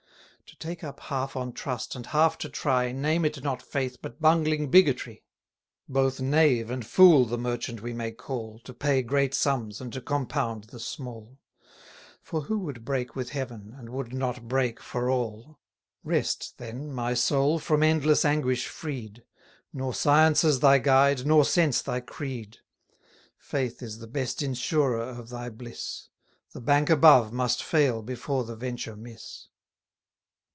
140 To take up half on trust, and half to try, Name it not faith, but bungling bigotry. Both knave and fool the merchant we may call, To pay great sums, and to compound the small: For who would break with Heaven, and would not break for all? Rest, then, my soul, from endless anguish freed: Nor sciences thy guide, nor sense thy creed. Faith is the best insurer of thy bliss; The bank above must fail before the venture miss.